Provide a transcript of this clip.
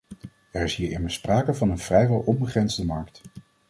Er is hier immers sprake van een vrijwel onbegrensde markt.